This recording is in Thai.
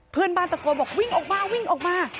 เพื่อนบ้านตะโกนบอกวิ่งออกมาวิ่งออกมา